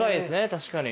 確かに。